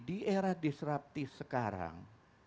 di era disruptif sekarang